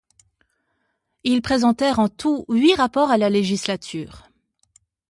Ils présentèrent en tout huit rapports à la législature.